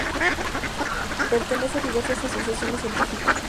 Pertenece a diversas asociaciones científicas.